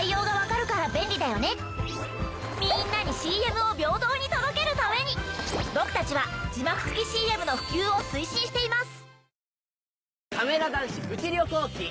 みんなにＣＭを平等に届けるために僕たちは字幕付きＣＭの普及を推進しています。